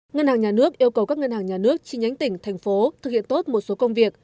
ngân hàng nhà nước yêu cầu các ngân hàng nhà nước chi nhánh tỉnh thành phố thực hiện tốt một số công việc